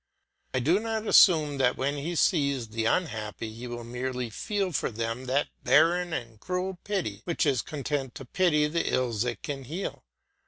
I do not assume that when he sees the unhappy he will merely feel for them that barren and cruel pity which is content to pity the ills it can heal.